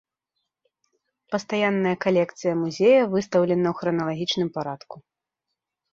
Пастаянная калекцыя музея выстаўлена ў храналагічным парадку.